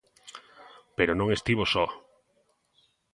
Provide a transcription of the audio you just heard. Pero non estivo só.